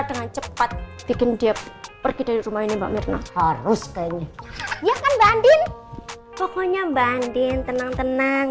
mengusir dari rumah juga mbak mirna harus kaya ini ya kan mbak andin pokoknya mbak andin tenang tenang